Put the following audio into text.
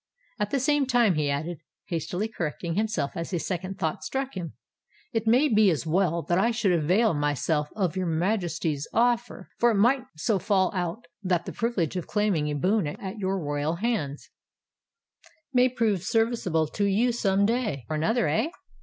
At the same time," he added, hastily correcting himself as a second thought struck him, "it may be as well that I should avail myself of your Majesty's offer; for it might so fall out that the privilege of claiming a boon at your royal hands——" "May prove serviceable to you some day or another—eh?"